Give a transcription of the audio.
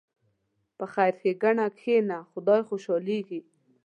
په خیر ښېګڼه کښېنه، خدای خوشحالېږي.